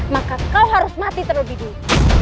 maka kau harus mati terlebih dulu